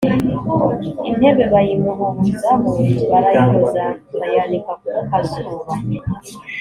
intebe bayimuhubuzaho barayoza, bayanika ku kazuba